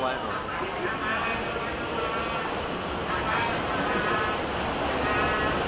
โทษเย็น